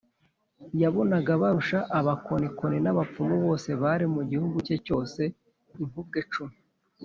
, yabonaga barusha abakonikoni n’abapfumu bose bari mu gihugu cye cyose inkubwe cumi